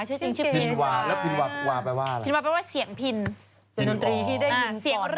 หรอนี่เป็นพี่เดียวเลยใช่ไหมพี่แรกไงนะใช่ค่ะพี่แรกเลยนะ